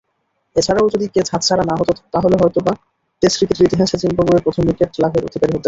এছাড়াও, যদি ক্যাচ হাতছাড়া না হতো তাহলে হয়তোবা টেস্ট ক্রিকেটের ইতিহাসে জিম্বাবুয়ের প্রথম উইকেট লাভের অধিকারী হতেন।